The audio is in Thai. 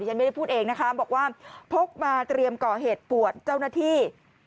ยังไม่ได้พูดเองนะคะบอกว่าพกมาเตรียมก่อเหตุปวดเจ้าหน้าที่